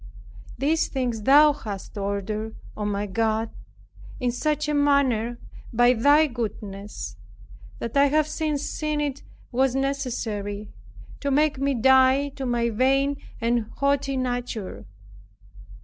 These things Thou hast ordered, O my God, in such a manner, by Thy goodness, that I have since seen it was necessary, to make me die to my vain and haughty nature.